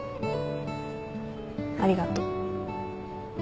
ありがとう。